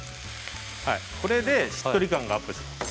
これでしっとり感がアップします。